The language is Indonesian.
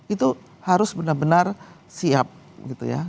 itu harus benar benar siap gitu ya